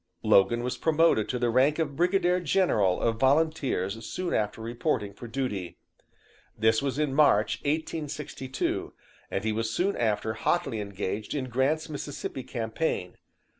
"Logan was promoted to the rank of Brigadier General of Volunteers soon after reporting for duty. This was in March, 1862, and he was soon after hotly engaged in Grant's Mississippi campaign.